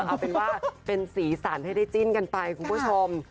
เอาเป็นว่าเป็นสีสันให้ได้จิ้นกันไปคุณผู้ชม